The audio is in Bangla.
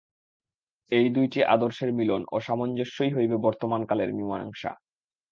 এই দুইটি আদর্শের মিলন ও সামঞ্জস্যই হইবে বর্তমানকালের মীমাংসা।